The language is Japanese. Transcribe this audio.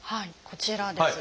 こちらです。